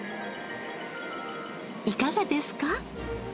いかがですか？